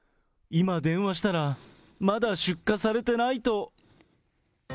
今電話したら、まだ出荷されてないと。